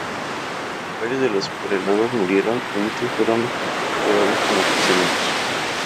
Varios de los prelados murieron, y muchos fueron llevados como prisioneros.